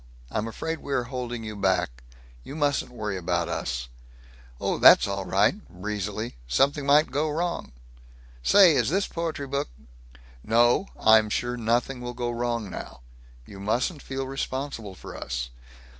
I'm afraid we are holding you back. You mustn't worry about us." "Oh, that's all right," breezily. "Something might go wrong. Say, is this poetry book " "No, I'm sure nothing will go wrong now. You mustn't feel responsible for us.